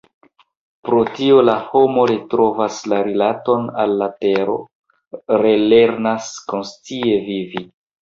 Pro tio la homo retrovas la rilaton al la tero, relernas konscie vivi.